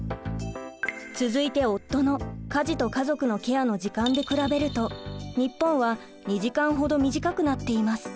続いて夫の家事と家族のケアの時間で比べると日本は２時間ほど短くなっています。